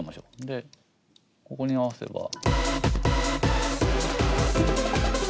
でここに合わせば。